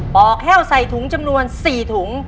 อกแห้วใส่ถุงจำนวน๔ถุง